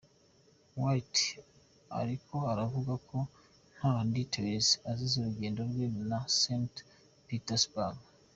White ariko aravugako nta details azi z’urugendo rwe rwa Saint –Petersbourg.